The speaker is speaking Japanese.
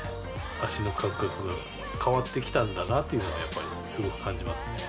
脚の感覚が変わってきたんだなというのはやっぱりスゴく感じますね